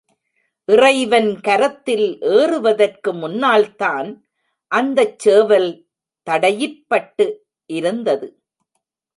இறைவன் கரத்தில் ஏறுவதற்கு முன்னால்தான் அந்தச் சேவல் தடையிற்பட்டு இருந்தது.